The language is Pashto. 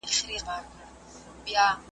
دواړي یو له بله ګراني نازولي .